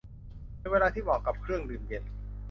เป็นเวลาที่เหมาะกับเครื่องดื่มเย็น